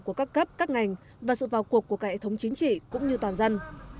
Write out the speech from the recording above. của các cấp các ngành và sự vào cuộc của cả hệ thống chính trị cũng như toàn dân